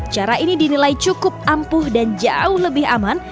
cara ini dinilai cukup ampuh dan jauh lebih aman